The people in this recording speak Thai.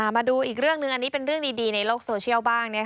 มาดูอีกเรื่องหนึ่งอันนี้เป็นเรื่องดีในโลกโซเชียลบ้าง